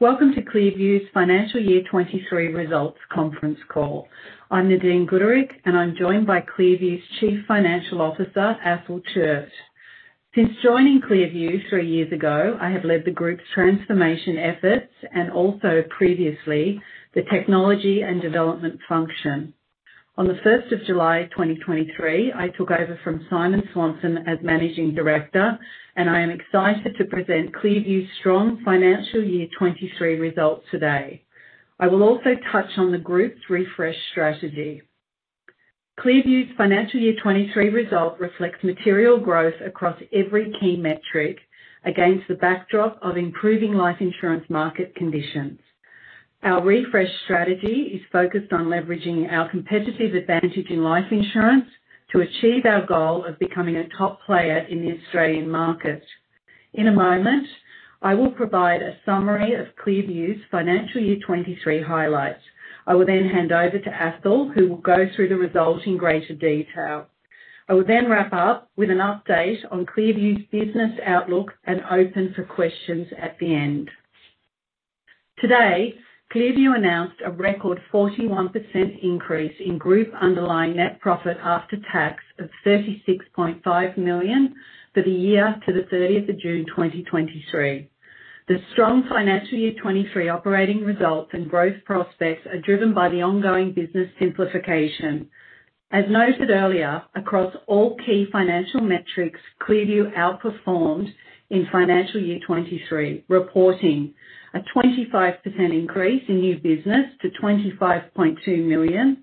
Welcome to ClearView's Financial Year 23 results conference call. I'm Nadine Gooderick, and I'm joined by ClearView's Chief Financial Officer, Athol Chiert. Since joining ClearView three years ago, I have led the group's transformation efforts and also previously the technology and development function. On July 1, 2023, I took over from Simon Swanson as Managing Director, and I am excited to present ClearView's strong financial year 23 results today. I will also touch on the group's refresh strategy. ClearView's financial year 23 result reflects material growth across every key metric against the backdrop of improving life insurance market conditions. Our refresh strategy is focused on leveraging our competitive advantage in life insurance to achieve our goal of becoming a top player in the Australian market. In a moment, I will provide a summary of ClearView's financial year 23 highlights. I will then hand over to Athol, who will go through the results in greater detail. I will wrap up with an update on ClearView's business outlook and open for questions at the end. Today, ClearView announced a record 41% increase in group underlying net profit after tax of 36.5 million for the year to the 30th of June, 2023. The strong financial year 2023 operating results and growth prospects are driven by the ongoing business simplification. As noted earlier, across all key financial metrics, ClearView outperformed in financial year 2023, reporting a 25% increase in new business to 25.2 million,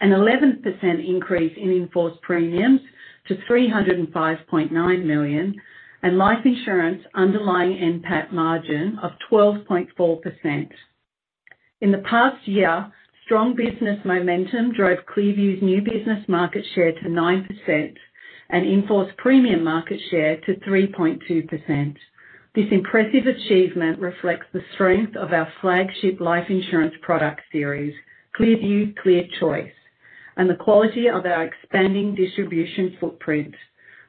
an 11% increase in in-force premiums to 305.9 million, and life insurance underlying NPAT margin of 12.4%. In the past year, strong business momentum drove ClearView's new business market share to 9% and in-force premium market share to 3.2%. This impressive achievement reflects the strength of our flagship life insurance product series, ClearView ClearChoice, and the quality of our expanding distribution footprint.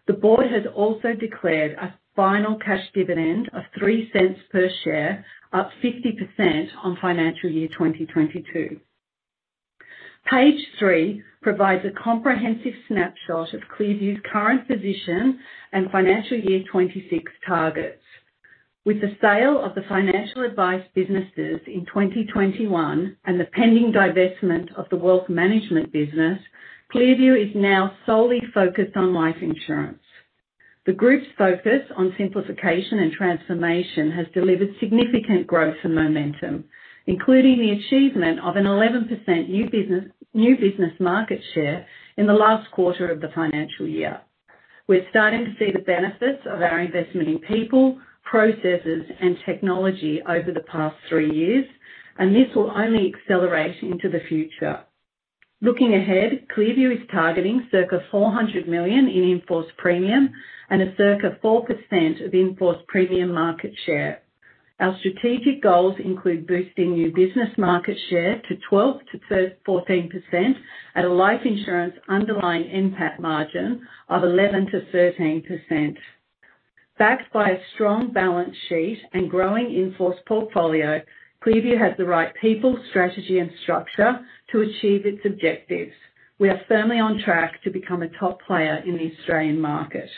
The board has also declared a final cash dividend of 0.03 per share, up 50% on financial year 2022. Page three provides a comprehensive snapshot of ClearView's current position and financial year 2026 targets. With the sale of the financial advice businesses in 2021 and the pending divestment of the wealth management business, ClearView is now solely focused on life insurance. The group's focus on simplification and transformation has delivered significant growth and momentum, including the achievement of an 11% new business, new business market share in the last quarter of the financial year. We're starting to see the benefits of our investment in people, processes, and technology over the past three years, and this will only accelerate into the future. Looking ahead, ClearView is targeting circa 400 million in in-force premium and a circa 4% of in-force premium market share. Our strategic goals include boosting new business market share to 12%-14% at a life insurance underlying NPAT margin of 11%-13%. Backed by a strong balance sheet and growing in-force portfolio, ClearView has the right people, strategy, and structure to achieve its objectives. We are firmly on track to become a top player in the Australian market.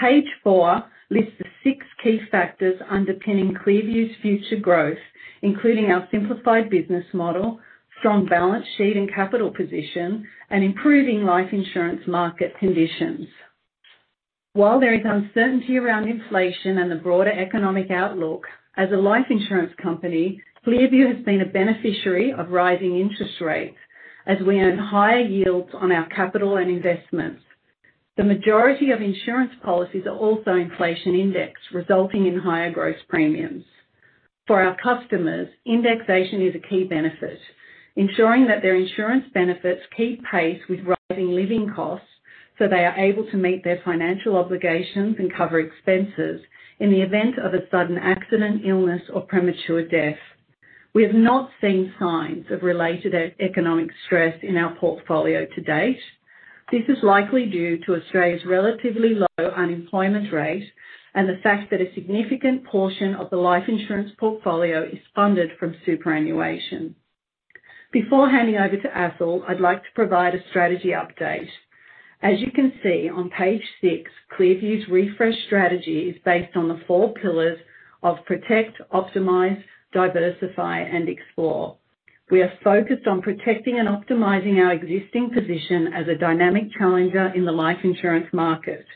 Page four lists the six key factors underpinning ClearView's future growth, including our simplified business model, strong balance sheet and capital position, and improving life insurance market conditions. While there is uncertainty around inflation and the broader economic outlook, as a life insurance company, ClearView has been a beneficiary of rising interest rates as we earn higher yields on our capital and investments. The majority of insurance policies are also inflation-indexed, resulting in higher gross premiums. For our customers, indexation is a key benefit, ensuring that their insurance benefits keep pace with rising living costs, so they are able to meet their financial obligations and cover expenses in the event of a sudden accident, illness, or premature death. We have not seen signs of related economic stress in our portfolio to date. This is likely due to Australia's relatively low unemployment rate and the fact that a significant portion of the life insurance portfolio is funded from superannuation. Before handing over to Athol, I'd like to provide a strategy update. As you can see on page six, ClearView's refresh strategy is based on the four pillars of protect, optimize, diversify, and explore. We are focused on protecting and optimizing our existing position as a dynamic challenger in the life insurance market.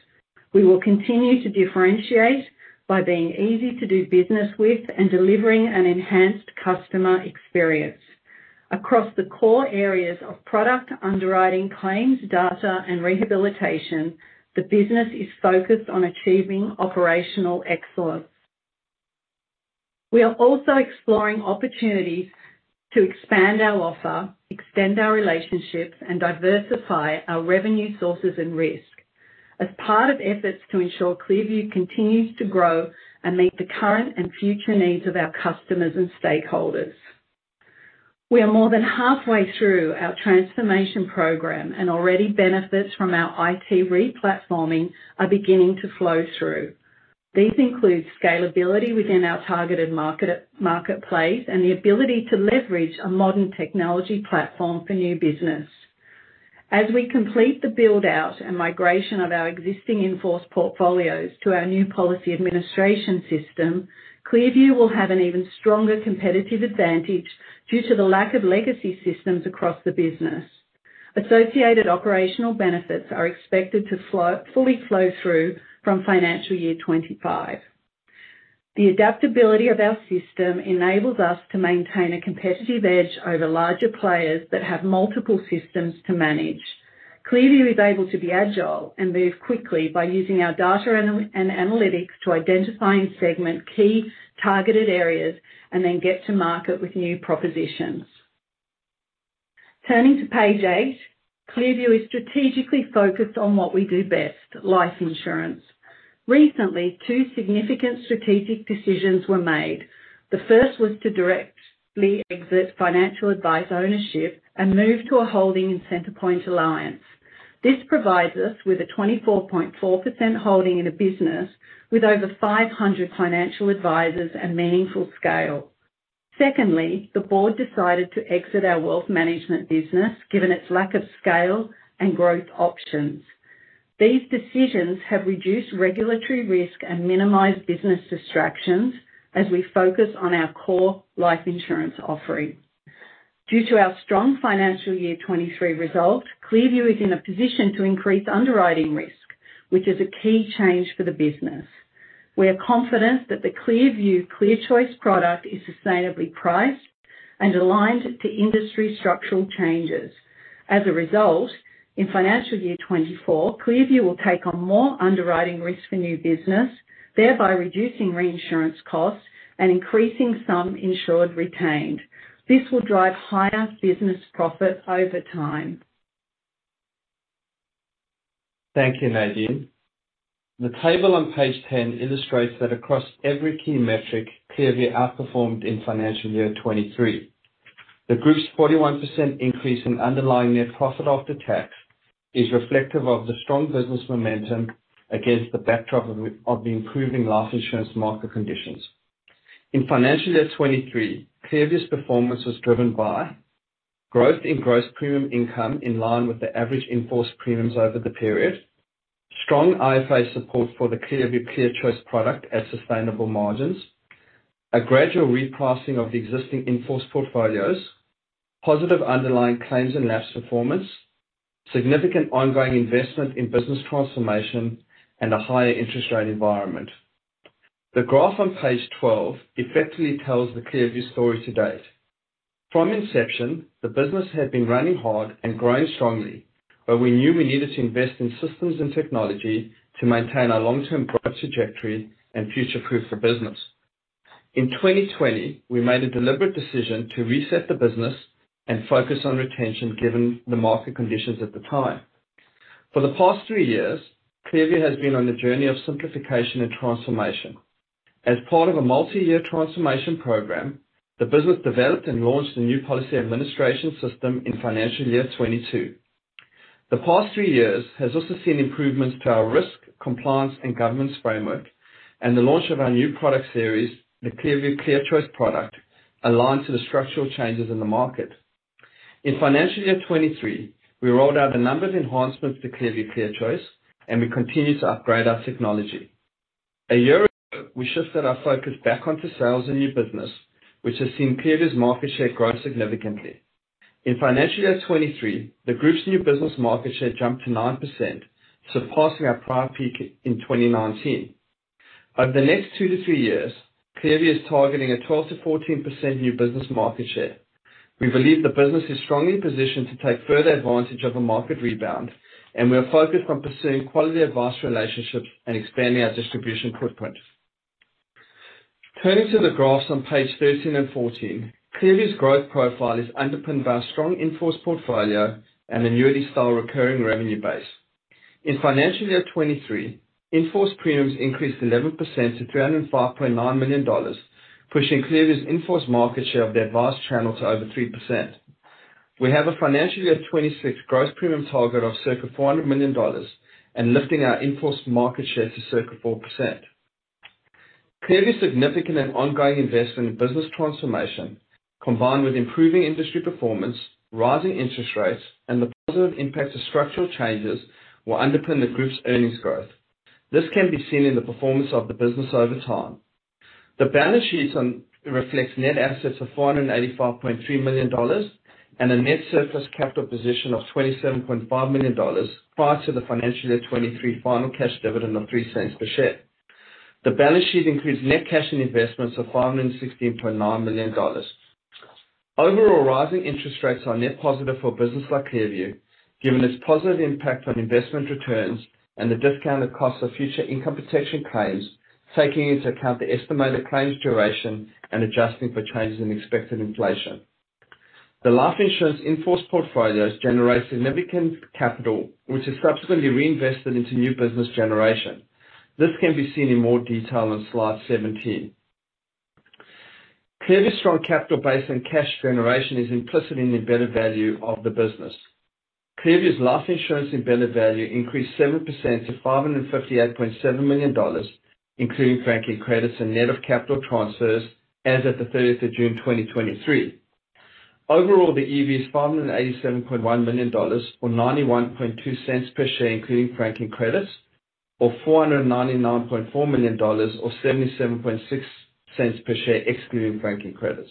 We will continue to differentiate by being easy to do business with and delivering an enhanced customer experience. Across the core areas of product underwriting, claims, data, and rehabilitation, the business is focused on achieving operational excellence. We are also exploring opportunities to expand our offer, extend our relationships, and diversify our revenue sources and risk as part of efforts to ensure ClearView continues to grow and meet the current and future needs of our customers and stakeholders. We are more than halfway through our transformation program, and already benefits from our IT re-platforming are beginning to flow through. These include scalability within our targeted market, marketplace, and the ability to leverage a modern technology platform for new business. As we complete the build-out and migration of our existing in-force portfolios to our new policy administration system, ClearView will have an even stronger competitive advantage due to the lack of legacy systems across the business. Associated operational benefits are expected to fully flow through from financial year 25. The adaptability of our system enables us to maintain a competitive edge over larger players that have multiple systems to manage. ClearView is able to be agile and move quickly by using our data and analytics to identify and segment key targeted areas and then get to market with new propositions. Turning to page eight, ClearView is strategically focused on what we do best: life insurance. Recently, two significant strategic decisions were made. The first was to directly exit financial advice ownership and move to a holding in Centrepoint Alliance. This provides us with a 24.4% holding in a business with over 500 financial advisors and meaningful scale. The board decided to exit our wealth management business, given its lack of scale and growth options. These decisions have reduced regulatory risk and minimized business distractions as we focus on our core life insurance offering. Due to our strong financial year 2023 results, ClearView is in a position to increase underwriting risk, which is a key change for the business. We are confident that the ClearView ClearChoice product is sustainably priced and aligned to industry structural changes. In financial year 2024, ClearView will take on more underwriting risk for new business, thereby reducing reinsurance costs and increasing sum insured retained. This will drive higher business profit over time. Thank you, Nadine. The table on page 10 illustrates that across every key metric, ClearView outperformed in financial year 2023. The group's 41% increase in underlying net profit after tax is reflective of the strong business momentum against the backdrop of the improving life insurance market conditions. In financial year 2023, ClearView's performance was driven by growth in gross premium income, in line with the average in-force premiums over the period, strong IFA support for the ClearView ClearChoice product at sustainable margins, a gradual repricing of the existing in-force portfolios, positive underlying claims and lapse performance, significant ongoing investment in business transformation, and a higher interest rate environment. The graph on page 12 effectively tells the ClearView story to date. From inception, the business had been running hard and growing strongly, we knew we needed to invest in systems and technology to maintain our long-term growth trajectory and future-proof the business. In 2020, we made a deliberate decision to reset the business and focus on retention, given the market conditions at the time. For the past three years, ClearView has been on a journey of simplification and transformation. As part of a multi-year transformation program, the business developed and launched a new policy administration system in financial year 2022. The past three years has also seen improvements to our risk, compliance, and governance framework, and the launch of our new product series, the ClearView ClearChoice product, aligned to the structural changes in the market. In financial year 2023, we rolled out a number of enhancements to ClearView ClearChoice, and we continued to upgrade our technology. A year ago, we shifted our focus back onto sales and new business, which has seen ClearView's market share grow significantly. In financial year 2023, the group's new business market share jumped to 9%, surpassing our prior peak in 2019. Over the next two-three years, ClearView is targeting a 12%-14% new business market share. We believe the business is strongly positioned to take further advantage of a market rebound, and we are focused on pursuing quality advice, relationships, and expanding our distribution footprint. Turning to the graphs on page 13 and 14, ClearView's growth profile is underpinned by a strong in-force portfolio and annuity-style recurring revenue base. In financial year 2023, in-force premiums increased 11% to 305.9 million dollars, pushing ClearView's in-force market share of the advice channel to over 3%. We have a financial year 2026 gross premium target of circa 400 million dollars and lifting our in-force market share to circa 4%. ClearView's significant and ongoing investment in business transformation, combined with improving industry performance, rising interest rates, and the positive impact of structural changes, will underpin the group's earnings growth. This can be seen in the performance of the business over time. The balance sheet reflects net assets of AUD 485.3 million, and a net surplus capital position of AUD 27.5 million prior to the financial year 2023 final cash dividend of 0.03 per share. The balance sheet includes net cash and investments of AUD 416.9 million. Overall, rising interest rates are net positive for a business like ClearView, given its positive impact on investment returns and the discounted cost of future income protection claims, taking into account the estimated claims duration and adjusting for changes in expected inflation. The life insurance in-force portfolios generate significant capital, which is subsequently reinvested into new business generation.... This can be seen in more detail on slide 17. ClearView's strong capital base and cash generation is implicit in the embedded value of the business. ClearView's life insurance embedded value increased 7% to 558.7 million dollars, including franking credits and net of capital transfers as of June 30, 2023. Overall, the EV is 587.1 million dollars, or 0.912 per share, including franking credits, or 499.4 million dollars, or 0.776 per share, excluding franking credits.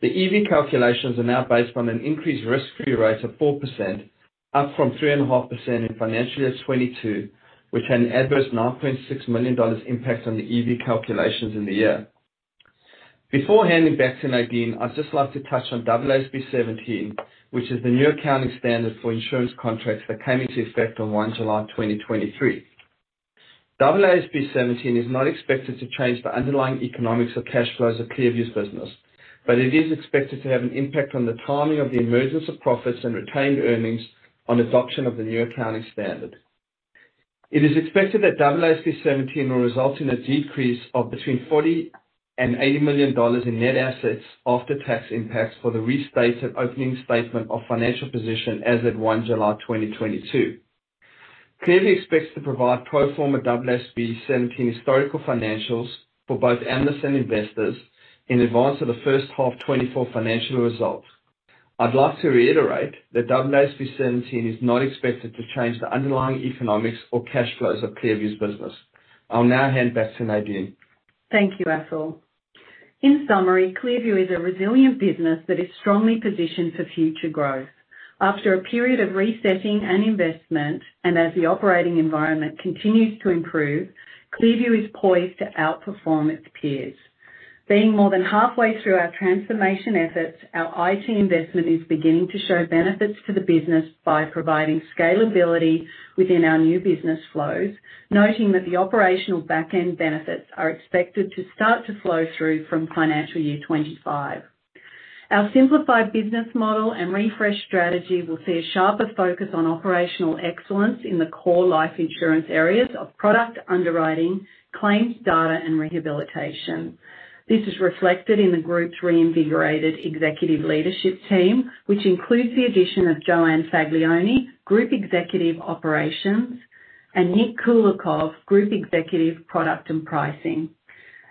The EV calculations are now based on an increased risk-free rate of 4%, up from 3.5% in financial year 2022, which had an adverse 9.6 million dollars impact on the EV calculations in the year. Before handing back to Nadine, I'd just like to touch on AASB 17, which is the new accounting standard for insurance contracts that came into effect on July 1, 2023. AASB 17 is not expected to change the underlying economics or cash flows of ClearView's business, but it is expected to have an impact on the timing of the emergence of profits and retained earnings on adoption of the new accounting standard. It is expected that AASB 17 will result in a decrease of between 40 million and 80 million dollars in net assets after tax impacts for the restated opening statement of financial position as at July 1, 2022. ClearView expects to provide pro forma AASB 17 historical financials for both analysts and investors in advance of the first half 2024 financial results. I'd like to reiterate that AASB 17 is not expected to change the underlying economics or cash flows of ClearView's business. I'll now hand back to Nadine. Thank you, Athol. In summary, ClearView is a resilient business that is strongly positioned for future growth. After a period of resetting and investment, and as the operating environment continues to improve, ClearView is poised to outperform its peers. Being more than halfway through our transformation efforts, our IT investment is beginning to show benefits to the business by providing scalability within our new business flows, noting that the operational back-end benefits are expected to start to flow through from financial year 25. Our simplified business model and refreshed strategy will see a sharper focus on operational excellence in the core life insurance areas of product underwriting, claims, data, and rehabilitation. This is reflected in the group's reinvigorated executive leadership team, which includes the addition of Joanne Faglioni, Group Executive, Operations, and Nick Kulikov, Group Executive, Product and Pricing.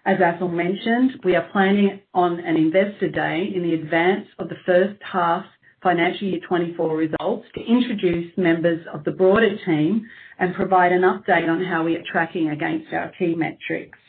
As Athol mentioned, we are planning on an investor day in the advance of the first half financial year 2024 results, to introduce members of the broader team and provide an update on how we are tracking against our key metrics.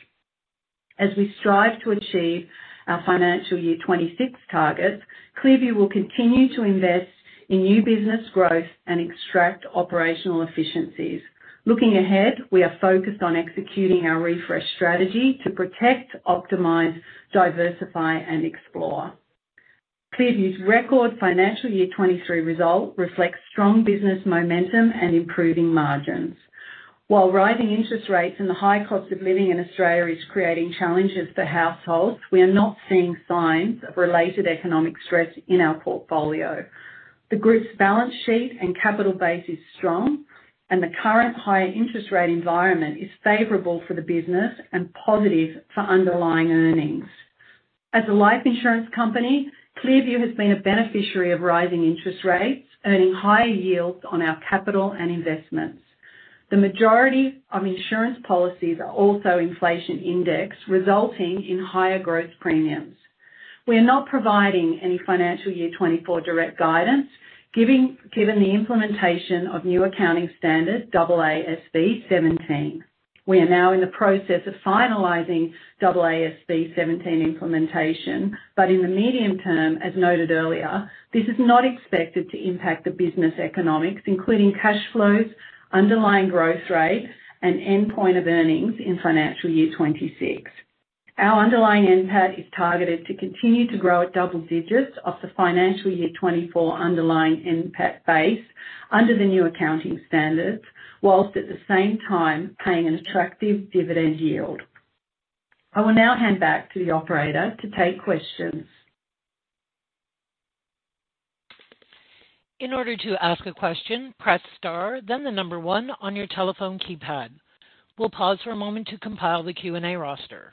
As we strive to achieve our financial year 2026 targets, ClearView will continue to invest in new business growth and extract operational efficiencies. Looking ahead, we are focused on executing our refreshed strategy to protect, optimize, diversify, and explore. ClearView's record financial year 2023 result reflects strong business momentum and improving margins. While rising interest rates and the high cost of living in Australia is creating challenges for households, we are not seeing signs of related economic stress in our portfolio. The group's balance sheet and capital base is strong, and the current higher interest rate environment is favorable for the business and positive for underlying earnings. As a life insurance company, ClearView Wealth has been a beneficiary of rising interest rates, earning higher yields on our capital and investments. The majority of insurance policies are also inflation-indexed, resulting in higher gross premiums. We are not providing any financial year 2024 direct guidance, given the implementation of new accounting standard AASB 17. We are now in the process of finalizing AASB 17 implementation, but in the medium term, as noted earlier, this is not expected to impact the business economics, including cash flows, underlying growth rates, and endpoint of earnings in financial year 2026. Our underlying NPAT is targeted to continue to grow at double digits off the financial year 2024 underlying NPAT base under the new accounting standards, whilst at the same time paying an attractive dividend yield. I will now hand back to the operator to take questions. In order to ask a question, press star, then the number one on your telephone keypad. We'll pause for a moment to compile the Q&A roster.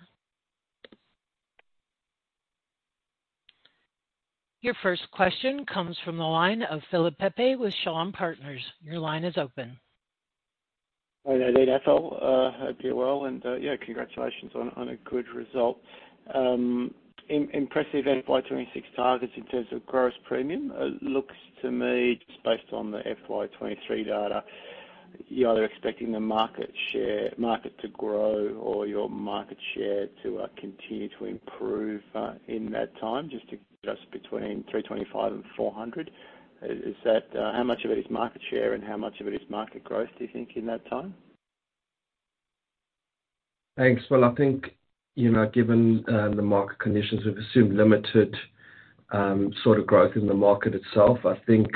Your first question comes from the line of Philip Pepe with Shaw and Partners. Your line is open. Hi, Nadine, Athol, hope you're well, and yeah, congratulations on a good result. Impressive FY 2026 targets in terms of gross premium. Looks to me, just based on the FY 2023 data, you're either expecting the market share-- market to grow or your market share to continue to improve in that time, just to adjust between 325 million and 400 million. Is that how much of it is market share and how much of it is market growth, do you think, in that time? Thanks. Well, I think, you know, given the market conditions, we've assumed limited sort of growth in the market itself. I think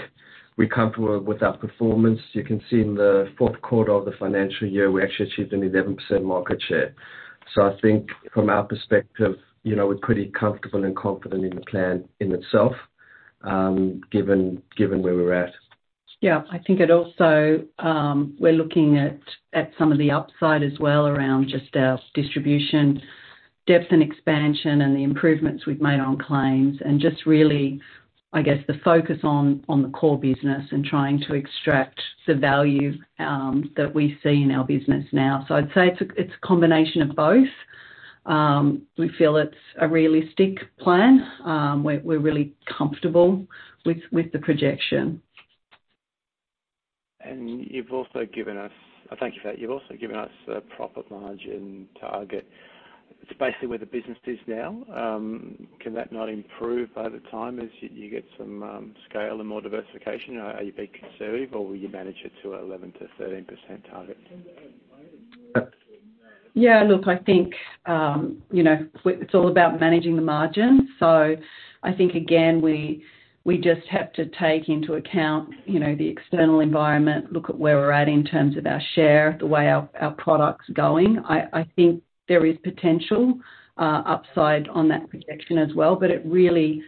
we're comfortable with our performance. You can see in the fourth quarter of the financial year, we actually achieved an 11% market share. I think from our perspective, you know, we're pretty comfortable and confident in the plan in itself, given, given where we're at.... Yeah, I think it also, we're looking at some of the upside as well around just our distribution, depth and expansion, and the improvements we've made on claims, and just really, I guess, the focus on the core business and trying to extract the value, that we see in our business now. I'd say it's a combination of both. We feel it's a realistic plan. We're really comfortable with the projection. You've also given us-- Thank you for that. You've also given us a profit margin target. It's basically where the business is now. Can that not improve over time as you get some scale and more diversification? Are you being conservative, or will you manage it to 11%-13% target? Yeah, look, I think, you know, it's all about managing the margin. I think, again, we, we just have to take into account, you know, the external environment, look at where we're at in terms of our share, the way our, our product's going. I, I think there is potential upside on that projection as well, but it really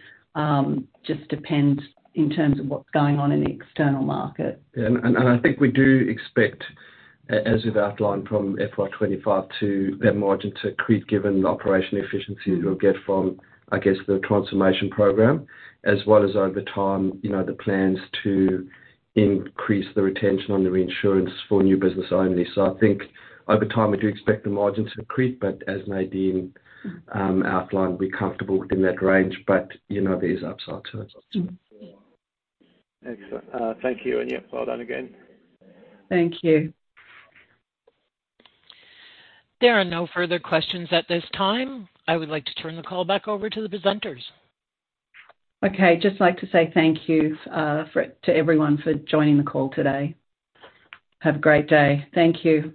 just depends in terms of what's going on in the external market. Yeah. I think we do expect as we've outlined from FY 2025 to that margin to creep, given the operational efficiencies we'll get from, I guess, the transformation program, as well as over time, you know, the plans to increase the retention on the reinsurance for new business only. I think over time, we do expect the margin to creep, but as Nadine outlined, we're comfortable within that range. You know, there is upside to it. Excellent. Thank you. Yeah, well done again. Thank you. There are no further questions at this time. I would like to turn the call back over to the presenters. Okay. Just like to say thank you to everyone for joining the call today. Have a great day. Thank you.